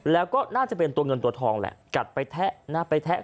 แล้วก็น่าจะเป็นตัวเงินตัวทองแหละกัดไปแทะนะไปแทะ